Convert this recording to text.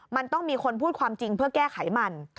มันต้องมีคนพูดความจริงเพื่อแก้ไขมัน